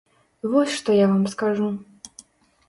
Вось што я вам скажу!